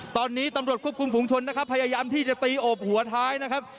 ตอนนี้ตำรวจควบคุมฝุงชนนะครับพยายามที่จะตีโอบหัวท้ายนะครับ